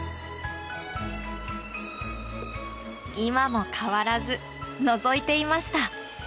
今も変わらずのぞいていました。